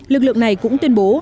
lực lượng này cũng tuyên bố